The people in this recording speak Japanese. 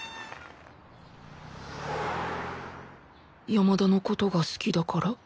山田の事が好きだから？